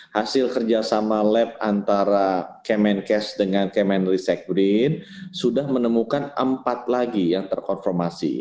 hasil kerjasama lab antara kemenkes dengan kemenrisekbrin sudah menemukan empat lagi yang terkonformasi